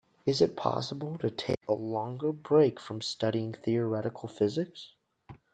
Is it possible to take longer break from studying theoretical physics?